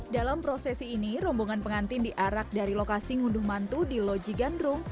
dalam prosesi ini rombongan pengantin diarak dari lokasi ngunduh mantu di loji gandrung